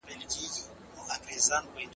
قلمي خط د ستړیا سره د مبارزې تمرین دی.